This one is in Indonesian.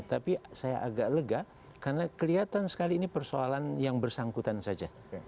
tapi saya agak lega karena kelihatan sekali ini persoalan yang bersangkutan saja